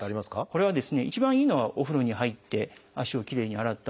これは一番いいのはお風呂に入って足をきれいに洗ったあと。